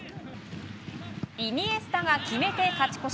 イニエスタが決めて勝ち越し。